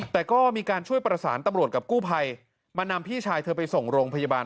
แต่ก็มีการช่วยประสานตำรวจกับกู้ภัยมานำพี่ชายเธอไปส่งโรงพยาบาล